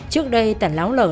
trước đây tẩn láo lờ